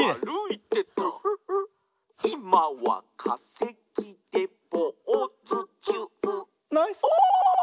「いまはかせきでポーズちゅう」